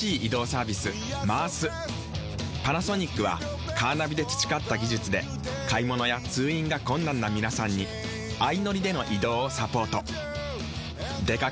パナソニックはカーナビで培った技術で買物や通院が困難な皆さんに相乗りでの移動をサポート。